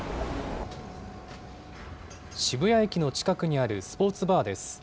渋谷駅の近くにあるスポーツバーです。